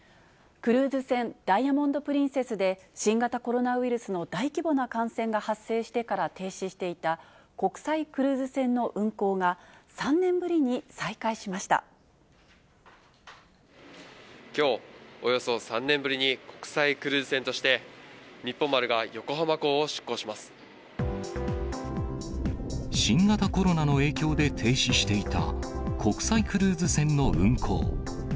クルーズ船、ダイヤモンド・プリンセスで新型コロナウイルスの大規模な感染が発生してから停止していた、国際クルーズ船の運航が、３年ぶきょう、およそ３年ぶりに国際クルーズ船として、新型コロナの影響で停止していた、国際クルーズ船の運航。